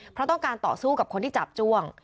เพราะต้องการต่อสู้กับคนที่จับจ้วง